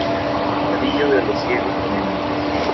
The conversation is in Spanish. Lazarillo de los ciegos caminantes.